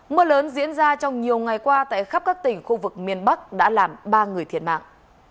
mưa lớn diễn ra trong nhiều ngày qua tại khắp các tỉnh khu vực miền bắc đã làm ba người thiệt mạng